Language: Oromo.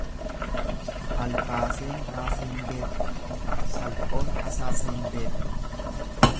Albaaseen baasa hin beektu salphoon asaasa hin beektu.